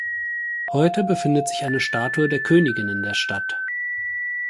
Heute befindet sich eine Statue der Königin in der Stadt.